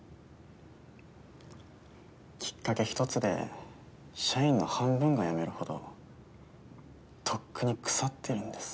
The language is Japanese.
一つで社員の半分が辞めるほどとっくに腐ってるんです